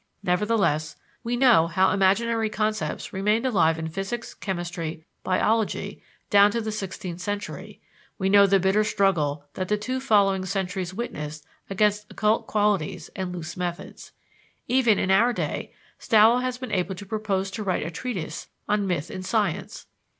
Nevertheless, we know how imaginary concepts remained alive in physics, chemistry, biology, down to the sixteenth century; we know the bitter struggle that the two following centuries witnessed against occult qualities and loose methods. Even in our day, Stallo has been able to propose to write a treatise "On Myth in Science."